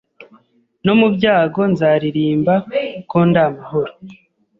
no mu byago nzaririmba ko ndi amahoro